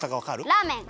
ラーメン。